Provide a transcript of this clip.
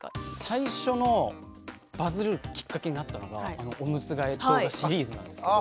最初のバズるきっかけになったのがおむつ替え動画シリーズなんですけど。